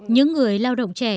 những người lao động trẻ